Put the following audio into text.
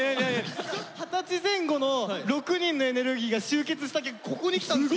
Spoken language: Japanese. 二十歳前後の６人のエネルギーが集結した結果ここに来たんですけど。